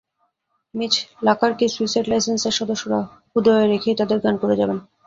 Miss লাকারকে suicide সাইলেন্সের সদস্যরা হূদয়ে রেখেই তাঁদের গান করে যাবেন।